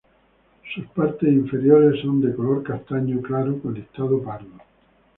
Sus partes inferiores son de color castaño claro con listado pardo.